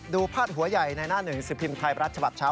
พาดหัวใหญ่ในหน้าหนึ่งสิบพิมพ์ไทยรัฐฉบับเช้า